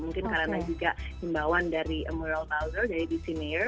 mungkin karena juga imbauan dari amaral bowser dari dc mayor